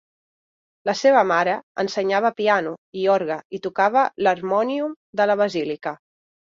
La seva mare ensenyava piano i orgue i tocava l'harmònium de la basílica.